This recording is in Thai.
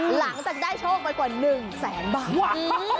หลังจากได้โชคนึงแสงบาง